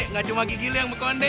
nggak cuma gigi lo yang berkonde